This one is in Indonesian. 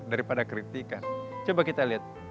daripada kritikan coba kita lihat